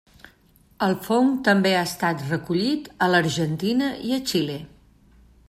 El fong també ha estat recollit a l'Argentina i a Xile.